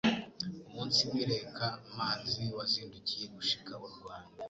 Umunsi w'i Reka-mazi Wazindukiye gushika u Rwanda.